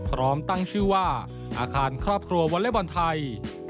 พร้อมตั้งชื่อว่าอาคารครอบครัววอเล็กบอลไทย